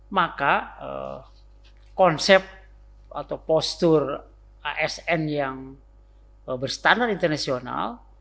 maka konsep atau postur asn yang berstandar internasional